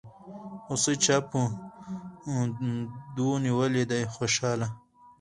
هوسۍ چا په دو نيولې دي خوشحاله